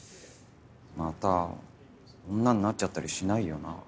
また女になっちゃったりしないよな？